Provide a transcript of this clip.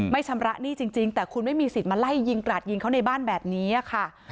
ชำระหนี้จริงแต่คุณไม่มีสิทธิ์มาไล่ยิงกราดยิงเขาในบ้านแบบนี้ค่ะ